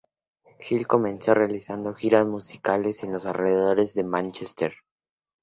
Gill comenzó realizando giras musicales en los alrededores de Manchester.